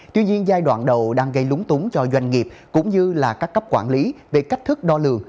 tuy nhiên giai đoạn đầu đang gây lúng túng cho doanh nghiệp cũng như là các cấp quản lý về cách thức đo lường